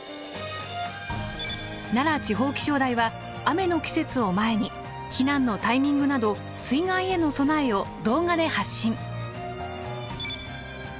奈良地方気象台は雨の季節を前に避難のタイミングなど水害への備えを動画で発信。